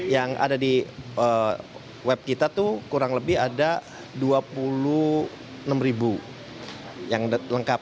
yang ada di web kita tuh kurang lebih ada dua puluh enam ribu yang lengkap